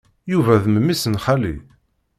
Yuba d memmi-s n xali.